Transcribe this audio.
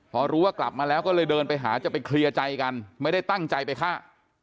พอรู้ว่ากลับมาแล้วก็เลยเดินไปหาจะไปเคลียร์ใจกันไม่ได้ตั้งใจไปฆ่า